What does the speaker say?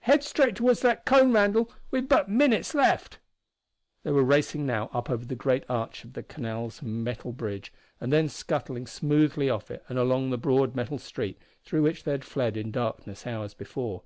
"Head straight toward that cone, Randall we've but minutes left!" They were racing now up over the great arch of the canal's metal bridge, and then scuttling smoothly off it and along the broad metal street through which they had fled in darkness hours before.